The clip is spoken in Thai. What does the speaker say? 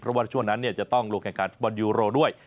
เพราะว่าช่วงนั้นจะต้องลงแข่งขันฟุตบอลยูโรด้วย